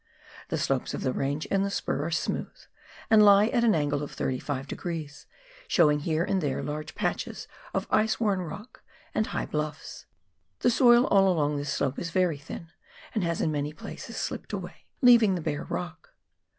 The slopes of the range and the spur are smooth, and lie at an angle of 35 degrees, showing here and there large patches of ice worn rock and high bluffs. The soil all along this slope is very thin, and has in many places slipped away, leaving the bare rock.